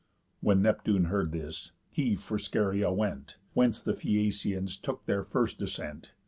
When Neptune heard this, he for Scheria went, Whence the Phæacians took their first descent.